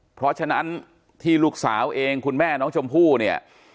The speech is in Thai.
เพราะฉะนั้นที่ลูกสาวเองคุณแม่น้องชมพู่เนี่ย